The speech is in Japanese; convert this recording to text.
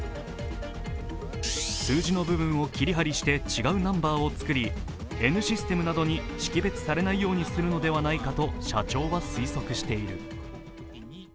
数字の部分を切り貼りして違うナンバーを作りＮシステムなどに識別されないようにするのではないかと社長は推測している。